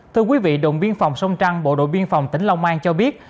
thưa quý vị đồn biên phòng sông trăng bộ đội biên phòng tỉnh long an cho biết